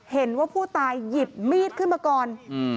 เห็นว่าผู้ตายหยิบมีดขึ้นมาก่อน